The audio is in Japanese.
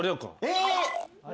えっ！？